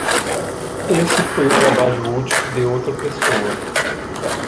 Esse foi o trabalho útil de outra pessoa.